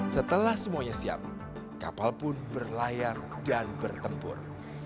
setelah semuanya siap kapal pun berlayar dan bertempur